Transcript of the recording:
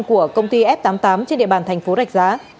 của công ty f tám mươi tám trên địa bàn thành phố rạch giá